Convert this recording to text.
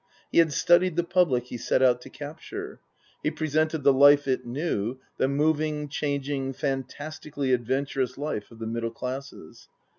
He had studied the public he set out to capture. He presented the life it knew the moving, changing, fantastically adventurous life of the middle classes.